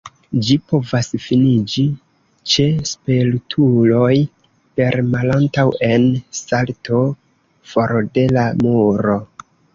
Ĝi povas finiĝi ĉe spertuloj per malantaŭen-salto for de la muro.